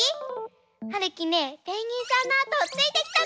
はるきねペンギンさんのあとをついてきたの！